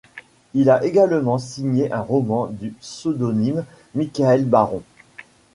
Il a également signé un roman du pseudonyme Michael Baron.